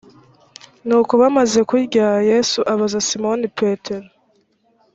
nuko bamaze kurya yesu abaza simoni petero